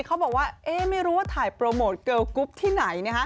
เขาบอกว่าไม่รู้ว่าถ่ายโปรโมทเกิลกรุ๊ปที่ไหน